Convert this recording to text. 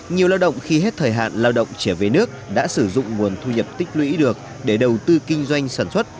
nhiều lao động khi hết thời hạn lao động trở về nước đã sử dụng nguồn thu nhập tích lũy được để đầu tư kinh doanh sản xuất